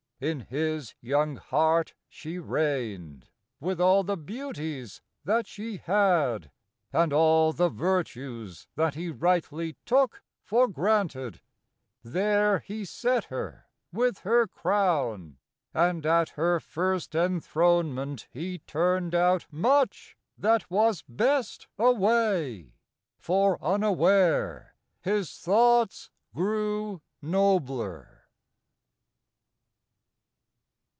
" In his young heart She reigned, with all the beauties that she had, And all the virtues that he rightly took For granted : there he set her with her crown, And at her first enthronement he turned out Much that was best away, for unaware His thoughts grew nobler.